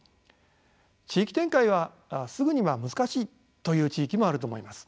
地域展開はすぐには難しいという地域もあると思います。